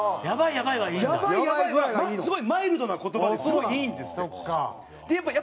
「やばいやばい」はすごいマイルドな言葉ですごいいいんですって。